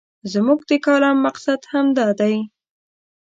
زموږ د کالم مقصد همدا دی.